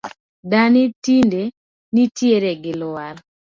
Dani tinde nitie gi lwar